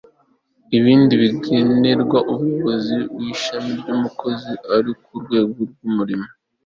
ibindi bigenerwa umuyobozi w'ishami n'umukozi uri ku rwego rw'umurimo